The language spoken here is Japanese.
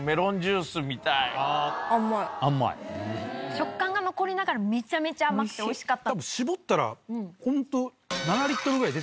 食感が残りながらめちゃめちゃ甘くておいしかった。